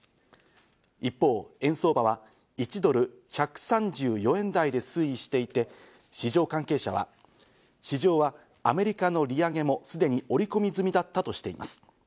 一方、円相場は１ドル＝１３４円台で推移していて、市場関係者は市場はアメリカの利上げもすでに織り込み済みだったとしています。